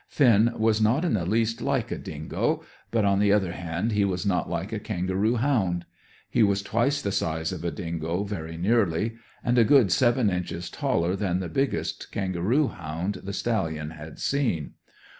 Finn was not in the least like a dingo; but, on the other hand, he was not like a kangaroo hound. He was twice the size of a dingo, very nearly, and a good seven inches taller than the biggest kangaroo hound the stallion had seen.